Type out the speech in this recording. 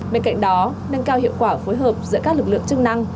bên cạnh đó nâng cao hiệu quả phối hợp giữa các lực lượng chức năng